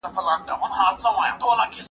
سپينکۍ مينځه!!